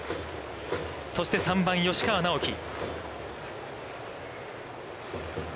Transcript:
そして３番吉川尚輝。